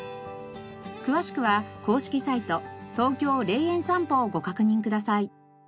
詳しくは公式サイト「ＴＯＫＹＯ霊園さんぽ」をご確認ください。